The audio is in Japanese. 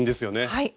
はい。